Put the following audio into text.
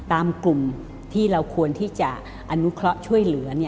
กลุ่มที่เราควรที่จะอนุเคราะห์ช่วยเหลือ